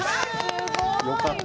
よかった。